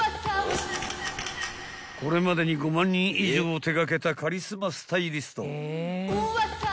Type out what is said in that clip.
［これまでに５万人以上を手掛けたカリスマスタイリスト］